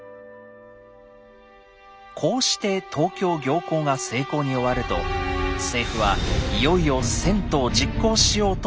こうして東京行幸が成功に終わると政府はいよいよ遷都を実行しようとします。